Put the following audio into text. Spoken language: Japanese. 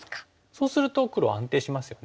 そうすると黒は安定しますよね。